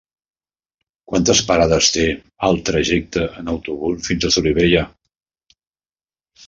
Quantes parades té el trajecte en autobús fins a Solivella?